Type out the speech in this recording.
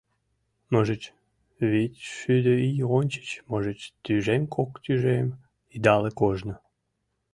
Можыч, вич шӱдӧ ий ончыч, можыч, тӱжем-кок тӱжем идалык ожно.